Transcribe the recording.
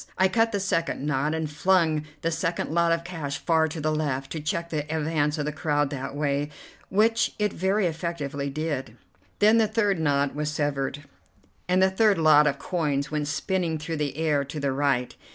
I cut the second knot, and flung the second lot of cash far to the left, to check the advance of the crowd that way, which it very effectually did. Then the third knot was severed, and the third lot of coins went spinning through the air to the right.